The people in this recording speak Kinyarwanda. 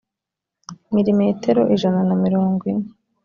milimetero ijana na mirongo ine